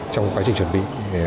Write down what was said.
trong quá trình chuẩn bị